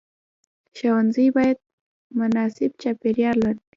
ښوونځی باید مناسب چاپیریال ولري.